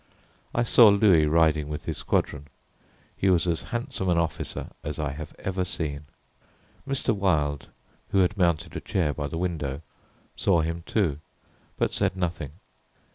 I saw Louis riding with his squadron. He was as handsome an officer as I have ever seen. Mr. Wilde, who had mounted a chair by the window, saw him too, but said nothing.